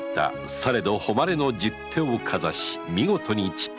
されど誉れの十手をかざし見事に散った心意気